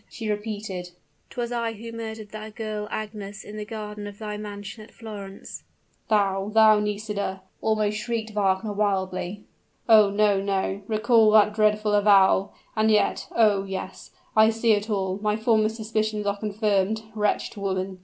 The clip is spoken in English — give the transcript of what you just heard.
she repeated, "'twas I who murdered the girl Agnes, in the garden of thy mansion at Florence!" "Thou, thou, Nisida?" almost shrieked Wagner wildly; "oh, no, no! Recall that dreadful avowal! And yet oh! yes I see it all my former suspicions are confirmed. Wretched woman.